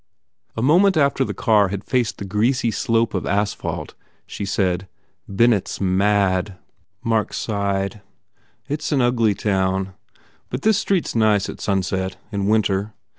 A moment after when the car faced the greasy slope of asphalt she said, "Bennett s mad." Mark sighed, "It s an ugly town. But this street s nice at sunset, in winter.